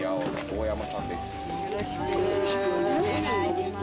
よろしくお願いします。